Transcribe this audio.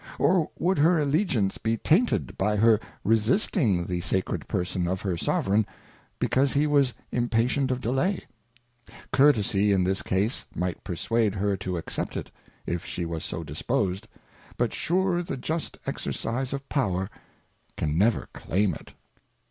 Or would her Allegiance be tainted by her resisting the sacred Person of her Sovereign, because he was impatient of delay ? Courtesie in this case might perswade her to accept it, if she was so disposed, but sure the just exercise of Power can never claim it.